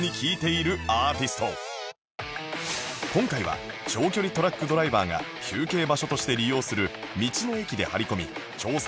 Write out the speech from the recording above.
今回は長距離トラックドライバーが休憩場所として利用する道の駅で張り込み調査を敢行